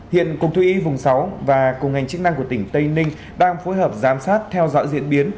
hiện cục thú y vùng sáu và cùng ngành chức năng của tỉnh tây ninh đang phối hợp giám sát theo dõi diễn biến